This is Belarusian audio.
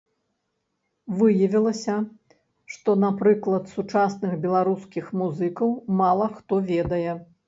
Выявілася, што, напрыклад, сучасных беларускіх музыкаў мала хто ведае.